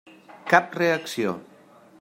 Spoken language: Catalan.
Cap reacció.